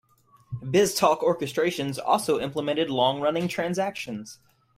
BizTalk orchestrations also implement long-running transactions.